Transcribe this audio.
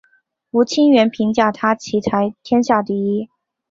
吴清源评价他棋才天下第一。